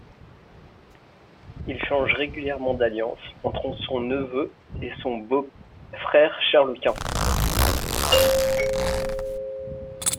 Il change régulièrement d'alliance, entre son neveu et son beau-frère Charles Quint.